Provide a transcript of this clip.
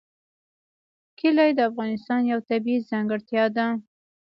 کلي د افغانستان یوه طبیعي ځانګړتیا ده.